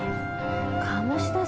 鴨志田さん